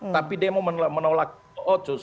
tapi demo menolak otsus